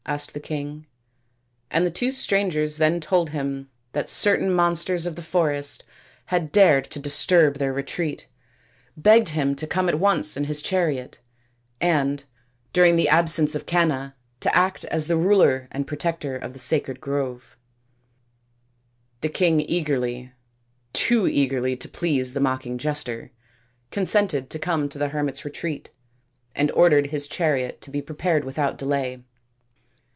" asked the king, and the two strangers then told him that certain monsters of the forest had dared to disturb their retreat, begged him to come at once in his chariot, and, during the absence 230 THE INDIAN STORY BOOK of Canna, to act as the ruler and protector of the sacred grove. The king eagerly too eagerly to please the mock ing jester consented to come to the hermits' retreat, and ordered his chariot to be prepared without delay.